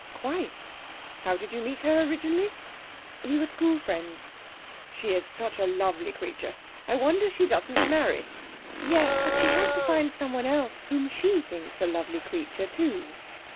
'Quite.' 'How did you meet her originally?' 'We were school friends.' 'She's such a lovely creature; I wonder she doesn't marry.' 'Yes, but she has to find someone else whom she thinks a lovely creature, too.'